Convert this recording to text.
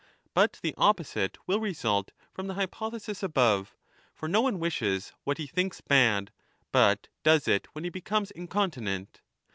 But the opposite will result from the hypo thesis above ; for no one wishes what he thinks bad, but does it when he becomes ^ incontinent.